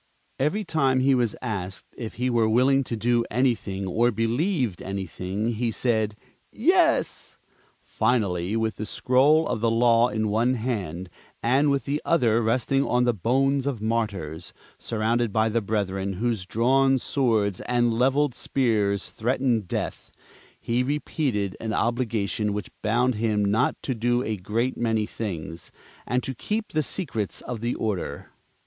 Every time he was asked if he were willing to do anything, or believed anything, he said "Yes." Finally, with the Scroll of the Law in one hand, and with the other resting on the Bones of Martyrs, surrounded by the brethren, whose drawn swords and leveled spears threatened death, he repeated an obligation which bound him not to do a great many things, and to keep the secrets of the order.